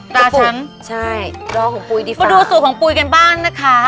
ตราชั้นใช่ล้อของปุ๋ยดีฟ้ามาดูส่วนของปุ๋ยกันบ้างนะคะ